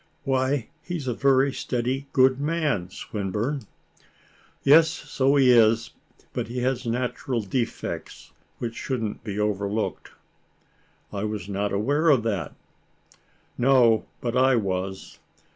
"Why, he is a very steady, good man, Swinburne." "Yes, so he is; but he has natural defects, which shouldn't be overlooked." "I was not aware of that." "No, but I was.